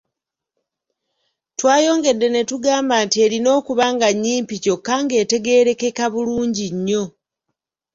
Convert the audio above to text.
Twayongedde ne tugamba nti erina okuba nga nnyimpi kyokka ng'etegeerekeka bulungi nnyo.